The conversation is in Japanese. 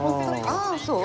ああそう。